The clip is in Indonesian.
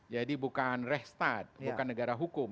jadi bukan rehtat bukan negara hukum